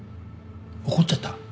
怒っちゃった。